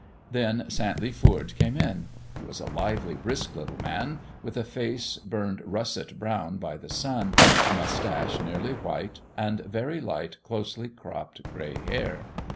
Then Santley Foord came in. He was a lively, brisk little man, with a face burned russet brown by the sun, a mustache nearly white, and very light, closely cropped gray hair.